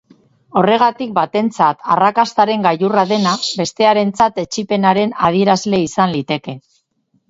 Horregatik batentzat arrakastaren gailurra dena, bestearentzat etsipenaren adierazle izan liteke.